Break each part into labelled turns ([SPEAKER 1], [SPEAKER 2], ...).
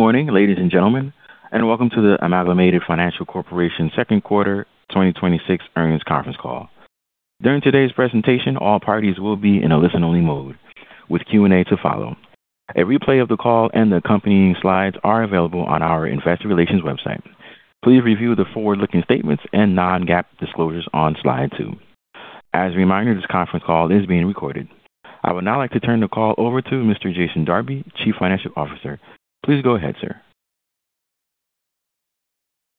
[SPEAKER 1] Good morning, ladies and gentlemen, welcome to the Amalgamated Financial Corp. Second Quarter 2026 Earnings Conference Call. During today's presentation, all parties will be in a listen-only mode, with Q&A to follow. A replay of the call and the accompanying slides are available on our investor relations website. Please review the forward-looking statements and non-GAAP disclosures on slide two. As a reminder, this conference call is being recorded. I would now like to turn the call over to Mr. Jason Darby, Chief Financial Officer. Please go ahead, sir.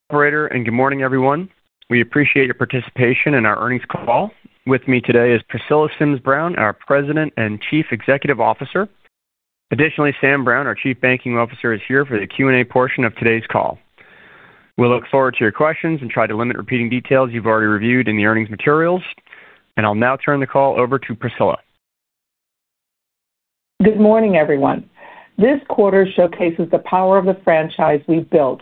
[SPEAKER 2] Operator, good morning, everyone. We appreciate your participation in our earnings call. With me today is Priscilla Sims Brown, our president and chief executive officer. Additionally, Sam Brown, our chief banking officer, is here for the Q&A portion of today's call. We look forward to your questions and try to limit repeating details you've already reviewed in the earnings materials. I'll now turn the call over to Priscilla.
[SPEAKER 3] Good morning, everyone. This quarter showcases the power of the franchise we've built.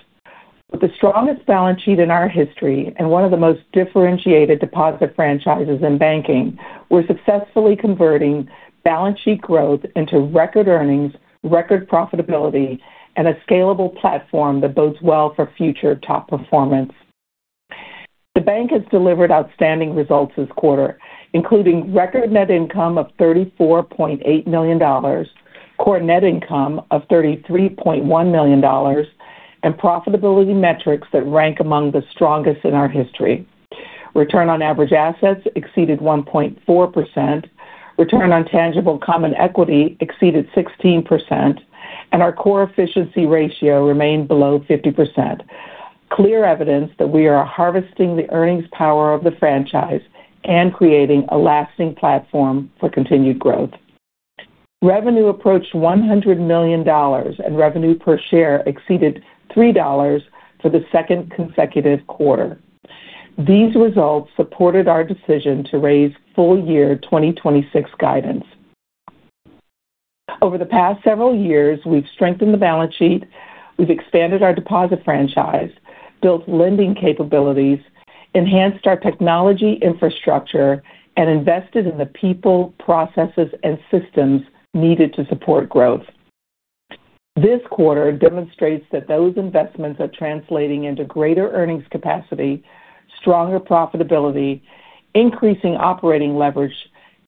[SPEAKER 3] With the strongest balance sheet in our history and one of the most differentiated deposit franchises in banking, we're successfully converting balance sheet growth into record earnings, record profitability, and a scalable platform that bodes well for future top performance. The bank has delivered outstanding results this quarter, including record net income of $34.8 million, core net income of $33.1 million, and profitability metrics that rank among the strongest in our history. Return on average assets exceeded 1.4%, return on tangible common equity exceeded 16%, and our core efficiency ratio remained below 50%, clear evidence that we are harvesting the earnings power of the franchise and creating a lasting platform for continued growth. Revenue approached $100 million; revenue per share exceeded $3 for the second consecutive quarter. These results supported our decision to raise full-year 2026 guidance. Over the past several years, we've strengthened the balance sheet, expanded our deposit franchise, built lending capabilities, enhanced our technology infrastructure, and invested in the people, processes, and systems needed to support growth. This quarter demonstrates that those investments are translating into greater earnings capacity, stronger profitability, increasing operating leverage,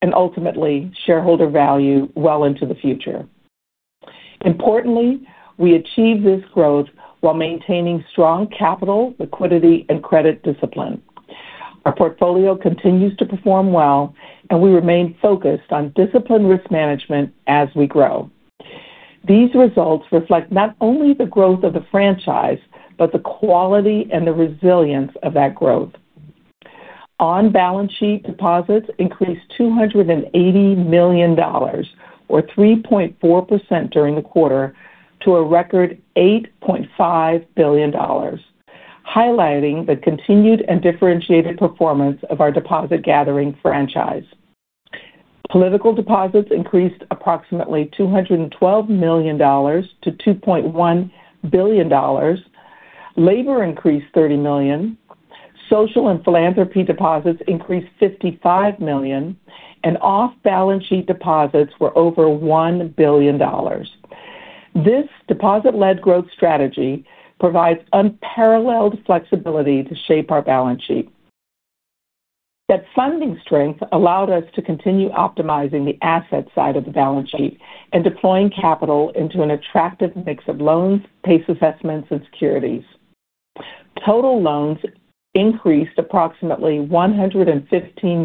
[SPEAKER 3] and ultimately shareholder value well into the future. Importantly, we achieved this growth while maintaining strong capital, liquidity, and credit discipline. Our portfolio continues to perform well; we remain focused on disciplined risk management as we grow. These results reflect not only the growth of the franchise but also the quality and the resilience of that growth. On-balance sheet deposits increased $280 million, or 3.4% during the quarter, to a record $8.5 billion, highlighting the continued and differentiated performance of our deposit-gathering franchise. Political deposits increased approximately $212 million to $2.1 billion. Labor increased $30 million. Social and philanthropy deposits increased $55 million. Off-balance sheet deposits were over $1 billion. This deposit-led growth strategy provides unparalleled flexibility to shape our balance sheet. That funding strength allowed us to continue optimizing the asset side of the balance sheet and deploying capital into an attractive mix of loans, PACE assessments, and securities. Total loans increased approximately $115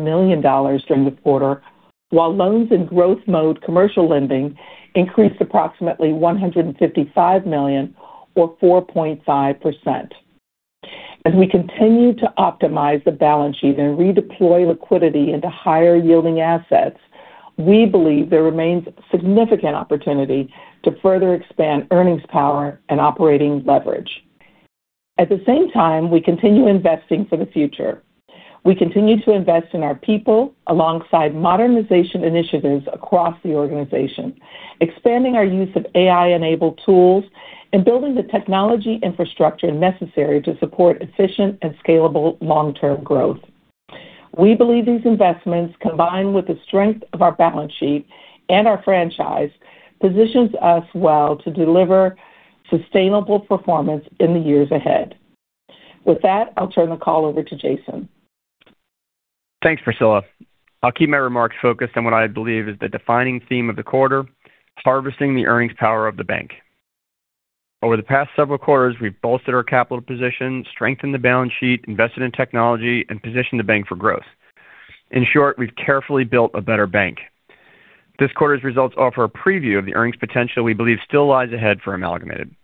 [SPEAKER 3] million during the quarter, while loans in growth mode commercial lending increased approximately $155 million, or 4.5%. As we continue to optimize the balance sheet and redeploy liquidity into higher-yielding assets, we believe there remains significant opportunity to further expand earnings power and operating leverage. At the same time, we continue investing for the future. We continue to invest in our people alongside modernization initiatives across the organization, expanding our use of AI-enabled tools, and building the technology infrastructure necessary to support efficient and scalable long-term growth. We believe these investments, combined with the strength of our balance sheet and our franchise, positions us well to deliver sustainable performance in the years ahead. With that, I'll turn the call over to Jason.
[SPEAKER 2] Thanks, Priscilla. I'll keep my remarks focused on what I believe is the defining theme of the quarter: harvesting the earnings power of the bank. Over the past several quarters, we've bolstered our capital position, strengthened the balance sheet, invested in technology, and positioned the bank for growth. In short, we've carefully built a better bank. This quarter's results offer a preview of the earnings potential we believe still lies ahead for Amalgamated.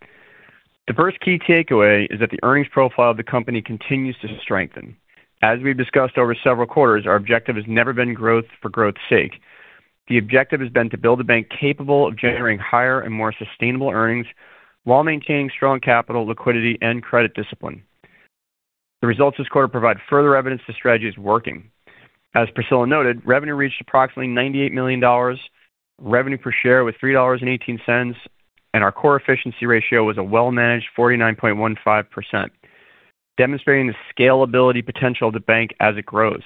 [SPEAKER 2] The first key takeaway is that the earnings profile of the company continues to strengthen. As we've discussed over several quarters, our objective has never been growth for growth's sake. The objective has been to build a bank capable of generating higher and more sustainable earnings while maintaining strong capital liquidity and credit discipline. The results this quarter provide further evidence the strategy is working. As Priscilla noted, revenue reached approximately $98 million, revenue per share was $3.18, and our core efficiency ratio was a well-managed 49.15%, demonstrating the scalability potential of the bank as it grows.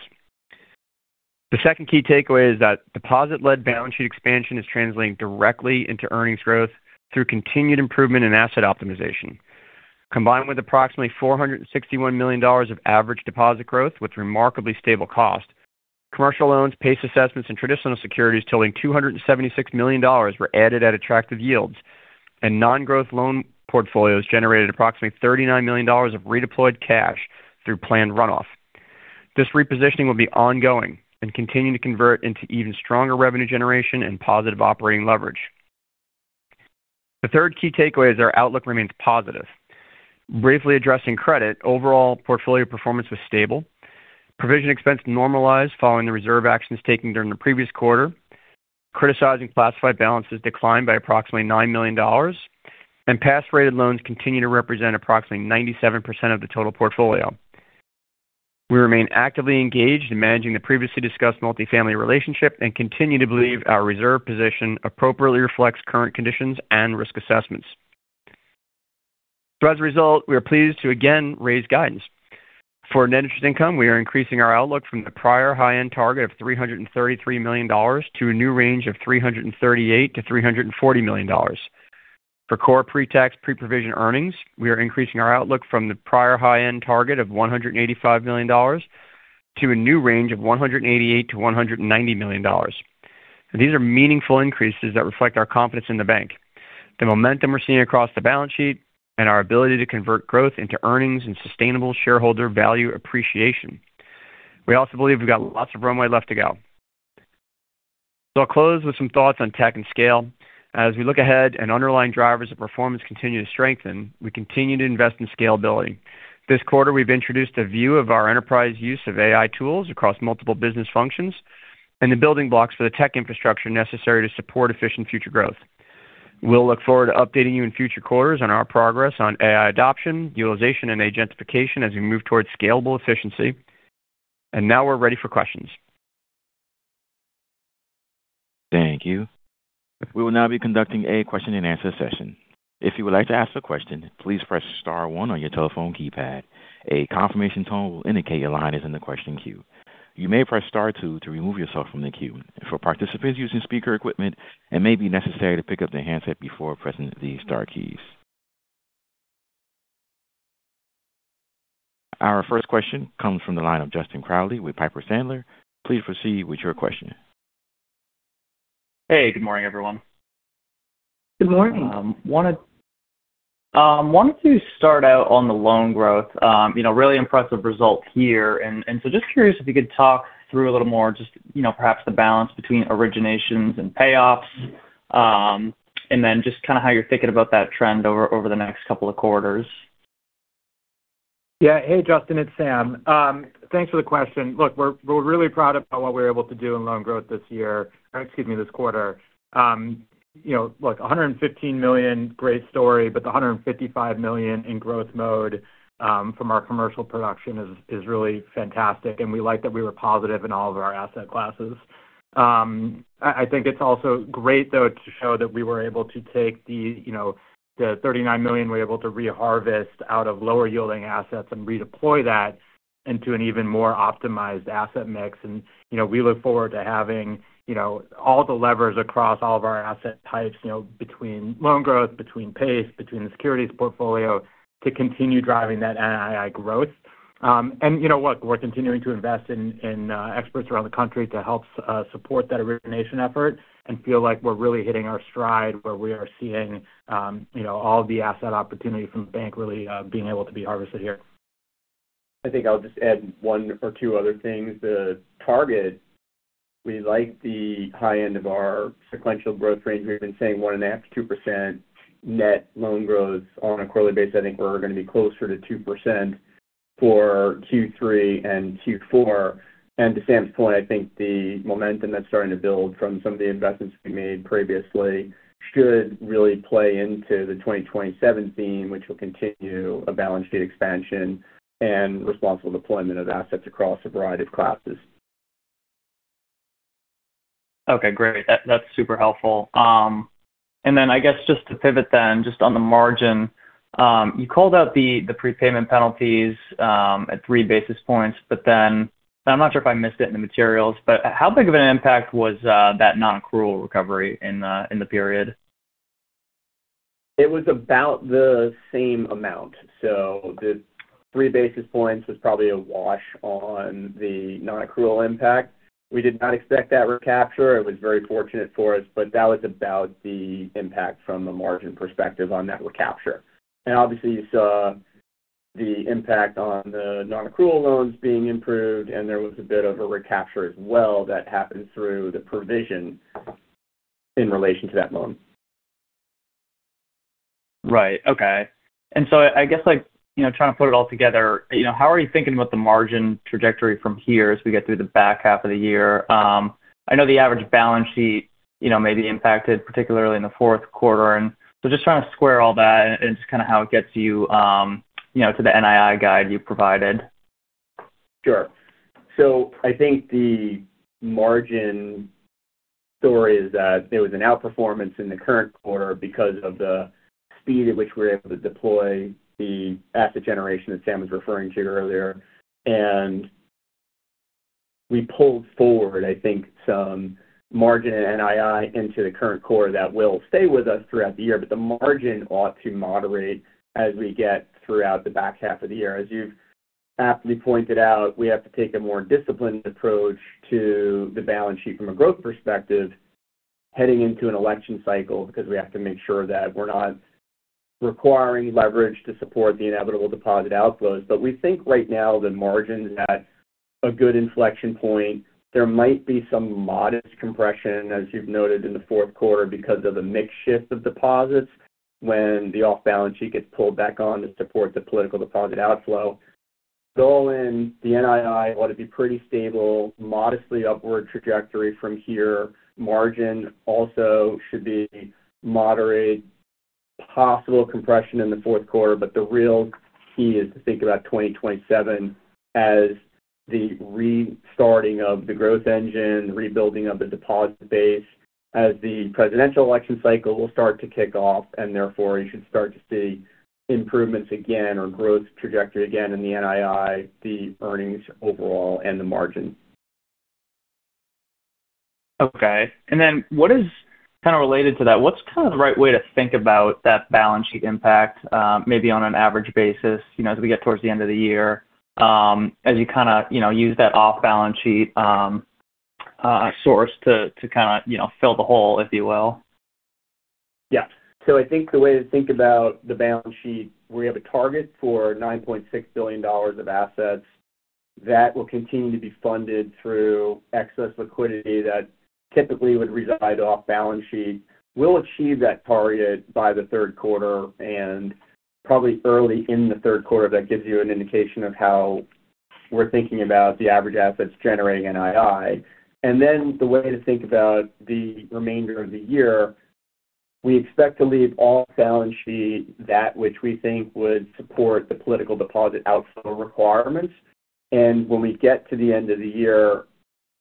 [SPEAKER 2] The second key takeaway is that deposit-led balance sheet expansion is translating directly into earnings growth through continued improvement in asset optimization. Combined with approximately $461 million of average deposit growth with remarkably stable cost, commercial loans, PACE assessments, and traditional securities totaling $276 million were added at attractive yields, and non-growth loan portfolios generated approximately $39 million of redeployed cash through planned runoff. This repositioning will be ongoing and continue to convert into even stronger revenue generation and positive operating leverage. The third key takeaway is our outlook remains positive. Briefly addressing credit, overall portfolio performance was stable. Provision expense normalized following the reserve actions taken during the previous quarter. Criticized classified balances declined by approximately $9 million. Pass-rated loans continue to represent approximately 97% of the total portfolio. We remain actively engaged in managing the previously discussed multifamily relationship and continue to believe our reserve position appropriately reflects current conditions and risk assessments. As a result, we are pleased to again raise guidance. For net interest income, we are increasing our outlook from the prior high-end target of $333 million to a new range of $338 million-$340 million. For core pre-tax, pre-provision earnings, we are increasing our outlook from the prior high-end target of $185 million to a new range of $188 million-$190 million. These are meaningful increases that reflect our confidence in the bank, the momentum we're seeing across the balance sheet, and our ability to convert growth into earnings and sustainable shareholder value appreciation. We also believe we've got lots of runway left to go. I'll close with some thoughts on tech and scale. As we look ahead and underlying drivers of performance continue to strengthen, we continue to invest in scalability. This quarter, we've introduced a view of our enterprise use of AI tools across multiple business functions and the building blocks for the tech infrastructure necessary to support efficient future growth. We'll look forward to updating you in future quarters on our progress on AI adoption, utilization, and agentification as we move towards scalable efficiency. Now we're ready for questions.
[SPEAKER 1] Thank you. We will now be conducting a question-and-answer session. If you would like to ask a question, please press star one on your telephone keypad. A confirmation tone will indicate your line is in the question queue. You may press star two to remove yourself from the queue. For participants using speaker equipment, it may be necessary to pick up the handset before pressing the star keys. Our first question comes from the line of Justin Crowley with Piper Sandler. Please proceed with your question.
[SPEAKER 4] Hey, good morning, everyone.
[SPEAKER 3] Good morning.
[SPEAKER 4] Wanted to start out on the loan growth. Really impressive results here. Just curious if you could talk through it a little more, just perhaps the balance between originations and payoffs, and then just how you're thinking about that trend over the next couple of quarters.
[SPEAKER 5] Yeah. Hey, Justin. It's Sam. Thanks for the question. Look, we're really proud about what we were able to do in loan growth this quarter. Look, $115 million, great story, but the $155 million in growth mode from our commercial production is really fantastic. We like that we were positive in all of our asset classes. I think it's also great, though, to show that we were able to take the $39 million we were able to reharvest out of lower-yielding assets and redeploy that into an even more optimized asset mix. We look forward to having all the levers across all of our asset types, between loan growth, between PACE, and between the securities portfolio to continue driving that NII growth. You know what? We're continuing to invest in experts around the country to help support that origination effort and feel like we're really hitting our stride where we are seeing all the asset opportunities from the bank really being able to be harvested here.
[SPEAKER 2] I think I'll just add one or two other things. The target, we like the high end of our sequential growth range. We've been saying one and a half to 2% net loan growth on a quarterly basis. I think we're going to be closer to 2% for Q3 and Q4. To Sam's point, I think the momentum that's starting to build from some of the investments we made previously should really play into the 2027 theme, which will continue a balance sheet expansion and responsible deployment of assets across a variety of classes.
[SPEAKER 4] Okay, great. That's super helpful. I guess just to pivot then, just on the margin. You called out the prepayment penalties at three basis points, but then I'm not sure if I missed it in the materials, but how big of an impact was that non-accrual recovery in the period?
[SPEAKER 2] It was about the same amount. The three basis points were probably a wash on the non-accrual impact. We did not expect that recapture. It was very fortunate for us. That was about the impact from a margin perspective on that recapture. Obviously you saw the impact on the non-accrual loans being improved, and there was a bit of a recapture as well that happened through the provision in relation to that loan.
[SPEAKER 4] Right. Okay. I guess trying to put it all together, how are you thinking about the margin trajectory from here as we get through the back half of the year? I know the average balance sheet may be impacted, particularly in the fourth quarter. Just trying to square all that and just how it gets you to the NII guide you've provided.
[SPEAKER 2] Sure. I think the margin story is that there was an outperformance in the current quarter because of the speed at which we were able to deploy the asset generation that Sam was referring to earlier. We pulled forward, I think, some margin and NII into the current quarter that will stay with us throughout the year. The margin ought to moderate as we get through the back half of the year. As you've aptly pointed out, we have to take a more disciplined approach to the balance sheet from a growth perspective heading into an election cycle because we have to make sure that we're not requiring leverage to support the inevitable deposit outflows. We think right now the margin's at a good inflection point. There might be some modest compression, as you've noted, in the fourth quarter because of the mix shift of deposits when the off-balance sheet gets pulled back on to support the political deposit outflow. All in, the NII ought to be pretty stable, with a modestly upward trajectory from here. Margin also should be moderate, possibly with compression in the fourth quarter, but the real key is to think about 2027 as the restarting of the growth engine and the rebuilding of the deposit base as the presidential election cycle will start to kick off. Therefore, you should start to see improvements again or a growth trajectory again in the NII, the earnings overall, and the margin.
[SPEAKER 4] Okay. Then what is kind of related to that? What's the right way to think about that balance sheet impact, maybe on an average basis as you get towards the end of the year as you use that off-balance sheet source to fill the hole, if you will?
[SPEAKER 2] I think the way to think about the balance sheet is we have a target for $9.6 billion of assets that will continue to be funded through excess liquidity that typically would reside off-balance sheet. We'll achieve that target by the third quarter and probably early in the third quarter. That gives you an indication of how we're thinking about the average assets generating NII. The way to think about the remainder of the year is we expect to leave off the balance sheet that which we think would support the political deposit outflow requirements. When we get to the end of the year,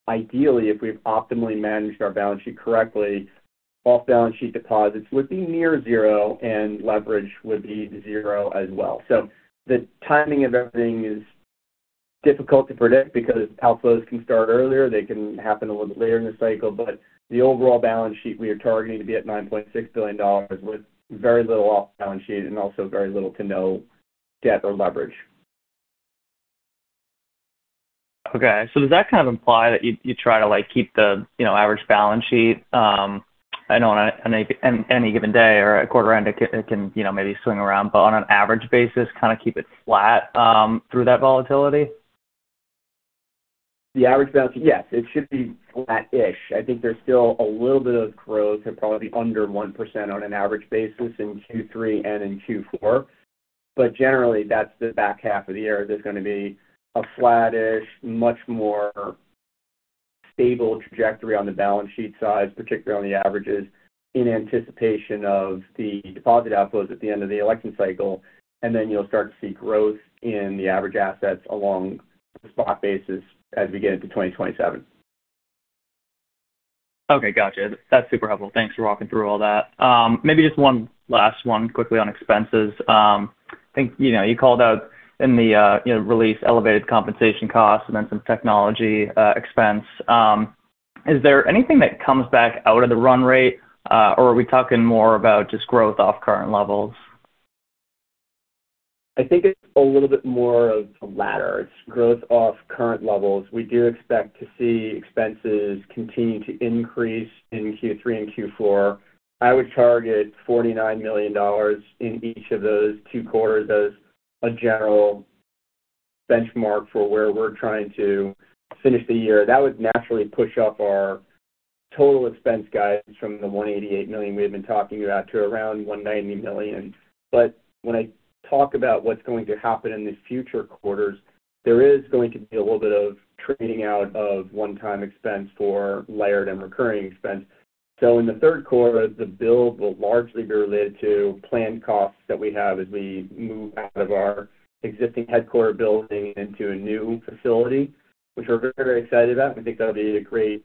[SPEAKER 2] ideally, if we've optimally managed our balance sheet correctly, off-balance sheet deposits would be near zero and leverage would be zero as well. The timing of everything is difficult to predict because outflows can start earlier or they can happen a little bit later in the cycle. The overall balance sheet we are targeting is $9.6 billion with very little off-balance sheet and also very little to no debt or leverage.
[SPEAKER 4] Does that kind of imply that you try to keep the average balance sheet? I know on any given day or at quarter-end it can maybe swing around; on an average basis, kind of keep it flat through that volatility?
[SPEAKER 2] The average balance sheet, yes, it should be flat-ish. I think there's still a little bit of growth and probably under 1% on an average basis in Q3 and in Q4. Generally, that's the back half of the year. There's going to be a flattish, much more stable trajectory on the balance sheet side, particularly on the averages, in anticipation of the deposit outflows at the end of the election cycle. You'll start to see growth in the average assets on a spot basis as we get into 2027.
[SPEAKER 4] Okay, gotcha. That's super helpful. Thanks for walking through all that. Maybe just one last one quickly on expenses. I think you called out in the release elevated compensation costs and then some technology expenses. Is there anything that comes back out of the run rate? Or are we talking more about just growth off current levels?
[SPEAKER 2] I think it's a little bit more of the latter. It's growth from current levels. We do expect to see expenses continue to increase in Q3 and Q4. I would target $49 million in each of those two quarters as a general benchmark for where we're trying to finish the year. That would naturally push up our total expense guidance from the $188 million we had been talking about to around $190 million. When I talk about what's going to happen in the future quarters, there is going to be a little bit of trading out of one-time expense for layered and recurring expense. In the third quarter, the build will largely be related to planned costs that we have as we move out of our existing headquarter building into a new facility, which we're very excited about. We think that'll be a great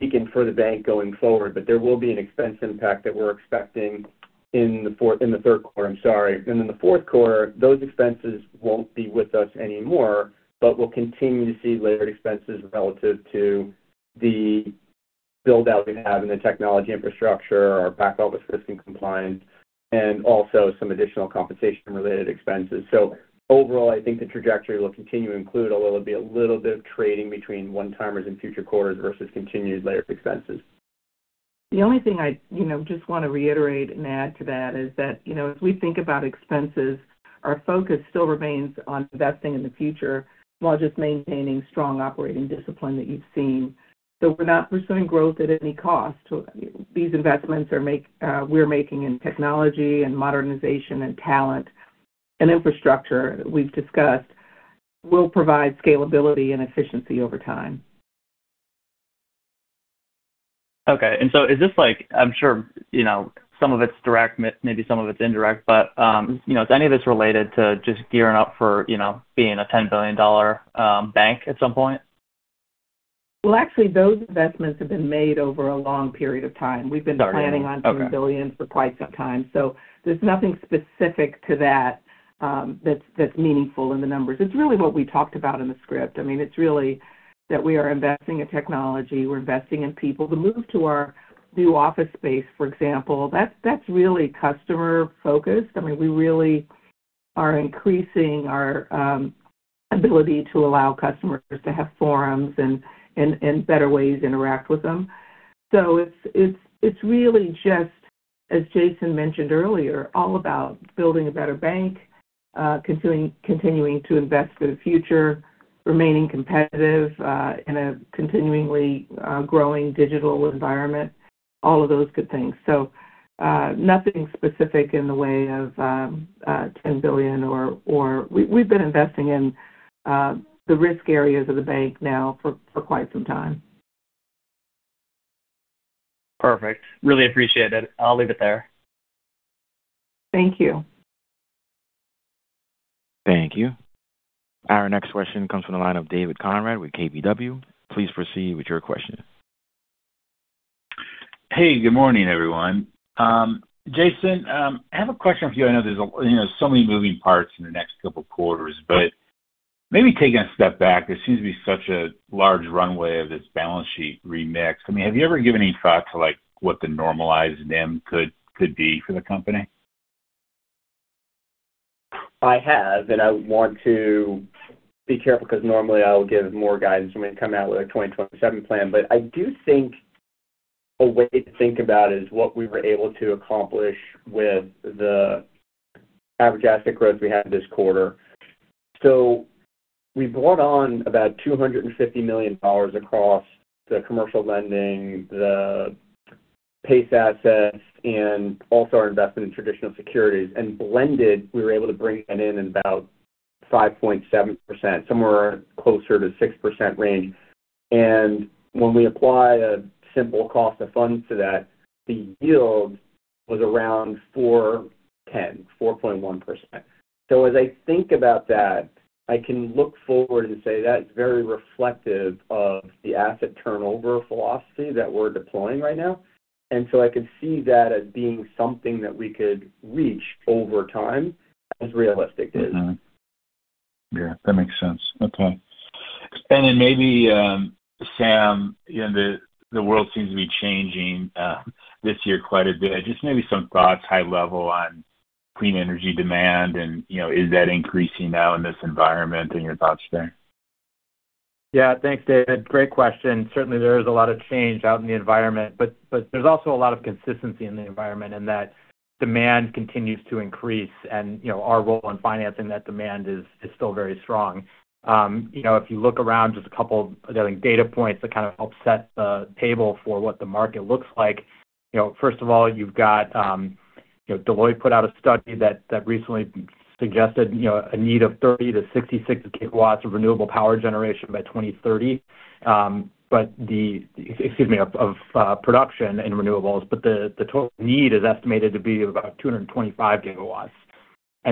[SPEAKER 2] beacon for the bank going forward. There will be an expense impact that we're expecting in the third quarter, I'm sorry. In the fourth quarter, those expenses won't be with us anymore, but we'll continue to see layered expenses relative to the build-out we have in the technology infrastructure, our back-office risk and compliance, and also some additional compensation-related expenses. Overall, I think the trajectory will continue to include a little bit of trading between one-timers in future quarters versus continued layered expenses.
[SPEAKER 3] The only thing I just want to reiterate and add to that is that as we think about expenses, our focus still remains on investing in the future while just maintaining strong operating discipline that you've seen. We're not pursuing growth at any cost. These investments we're making in technology and modernization and talent and infrastructure that we've discussed will provide scalability and efficiency over time.
[SPEAKER 4] Okay. Is this like, I'm sure some of it's direct, maybe some of it's indirect, but is any of this related to just gearing up for being a $10 billion bank at some point?
[SPEAKER 3] Well, actually, those investments have been made over a long period of time. We've been planning on—
[SPEAKER 4] Got it.
[SPEAKER 3] ...$10 billion for quite some time. There's nothing specific to that that's meaningful in the numbers. It's really what we talked about in the script. It's really that we are investing in technology. We're investing in people. The move to our new office space, for example, that's really customer-focused. We really are increasing our ability to allow customers to have forums and better ways to interact with them. It's really just, as Jason mentioned earlier, all about building a better bank, continuing to invest for the future, and remaining competitive in a continuously growing digital environment—all of those good things. Nothing specific in the way of $10 billion. We've been investing in the risk areas of the bank now for quite some time.
[SPEAKER 4] Perfect. Really appreciate it. I will leave it there.
[SPEAKER 3] Thank you.
[SPEAKER 1] Thank you. Our next question comes from the line of David Konrad with KBW. Please proceed with your question.
[SPEAKER 6] Hey, good morning, everyone. Jason, I have a question for you. I know there are so many moving parts in the next couple quarters, but maybe taking a step back, there seems to be such a large runway for this balance sheet remix. Have you ever given any thought to what the normalized NIM could be for the company?
[SPEAKER 2] I have, and I want to be careful because normally I'll give more guidance when we come out with a 2027 plan. I do think a way to think about it is what we were able to accomplish with the average asset growth we had this quarter. We brought on about $250 million across the commercial lending, the PACE assets, and also our investment in traditional securities. Blended, we were able to bring that in at about 5.7%, somewhere closer to the 6% range. When we apply a simple cost of funds to that, the yield was around 410, 4.1%. As I think about that, I can look forward and say that's very reflective of the asset turnover philosophy that we're deploying right now. I could see that as being something that we could reach over time as realistic.
[SPEAKER 6] Yeah, that makes sense. Okay. Maybe, Sam, the world seems to be changing this year quite a bit. Just maybe some thoughts, high level on clean energy demand and is that increasing now in this environment and your thoughts there?
[SPEAKER 5] Yeah. Thanks, David. Great question. Certainly, there is a lot of change out in the environment; there's also a lot of consistency in the environment in that demand continues to increase, and our role in financing that demand is still very strong. If you look around, there are just a couple of data points that kind of help set the table for what the market looks like. First of all, Deloitte put out a study that recently suggested a need for 30GW-66GW of renewable power generation by 2030. Excuse me. Of production in renewables. The total need is estimated to be about 225GW.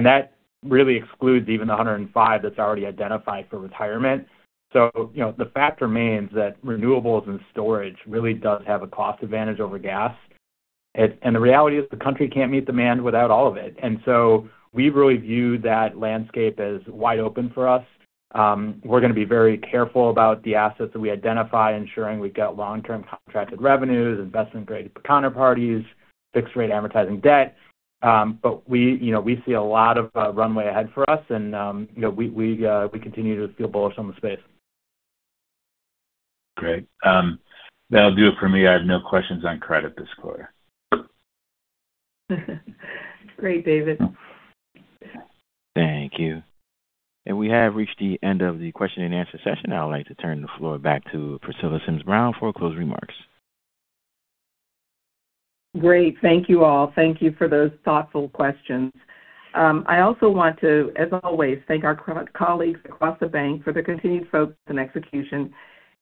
[SPEAKER 5] That really excludes even the 105GW that's already identified for retirement. The fact remains that renewables and storage really do have a cost advantage over gas. The reality is the country can't meet demand without all of it. We really view that landscape as wide open for us. We're going to be very careful about the assets that we identify, ensuring we've got long-term contracted revenues, investment-grade counterparties, and fixed-rate amortizing debt. We see a lot of runway ahead for us, and we continue to feel bullish on the space.
[SPEAKER 6] Great. That'll do it for me. I have no questions on credit this quarter.
[SPEAKER 3] Great, David.
[SPEAKER 1] Thank you. We have reached the end of the question-and-answer session. I would like to turn the floor back to Priscilla Sims Brown for closing remarks.
[SPEAKER 3] Great. Thank you all. Thank you for those thoughtful questions. I also want to, as always, thank our colleagues across the bank for their continued focus and execution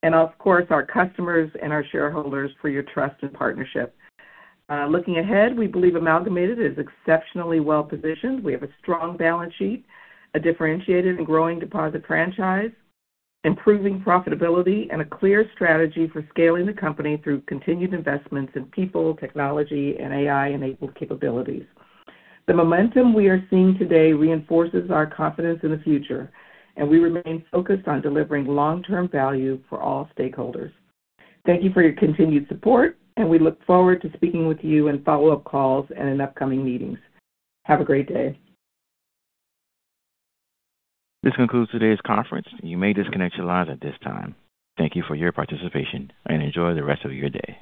[SPEAKER 3] and, of course, our customers and our shareholders for your trust and partnership. Looking ahead, we believe Amalgamated is exceptionally well-positioned. We have a strong balance sheet, a differentiated and growing deposit franchise, improving profitability, and a clear strategy for scaling the company through continued investments in people, technology, and AI-enabled capabilities. The momentum we are seeing today reinforces our confidence in the future. We remain focused on delivering long-term value for all stakeholders. Thank you for your continued support. We look forward to speaking with you in follow-up calls and in upcoming meetings. Have a great day.
[SPEAKER 1] This concludes today's conference. You may disconnect your lines at this time. Thank you for your participation and enjoy the rest of your day.